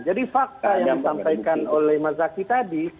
jadi fakta yang disampaikan oleh mas zaky tadi